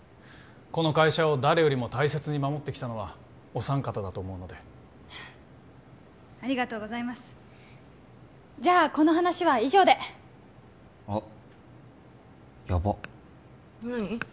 この会社を誰よりも大切に守ってきたのはお三方だと思うのでありがとうございますじゃあこの話は以上であっヤバッ何？